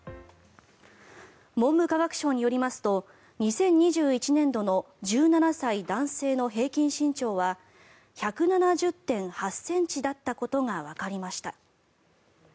文部科学省によりますと２０２１年度の１７歳男性の平均身長は１７０．８ｃｍだったことがわかりました。